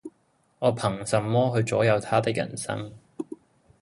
我憑什麼去左右他的人生